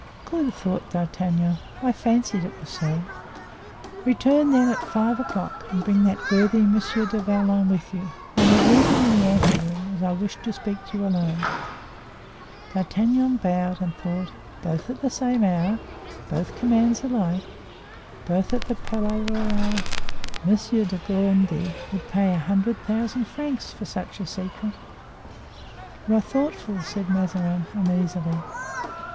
"Good!" thought D'Artagnan; "I fancied it was so." "Return, then, at five o'clock and bring that worthy Monsieur du Vallon with you. Only, leave him in the ante room, as I wish to speak to you alone." D'Artagnan bowed, and thought: "Both at the same hour; both commands alike; both at the Palais Royal. Monsieur de Gondy would pay a hundred thousand francs for such a secret!" "You are thoughtful," said Mazarin, uneasily.